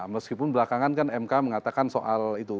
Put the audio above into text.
meskipun belakangan kan mk mengatakan soal itu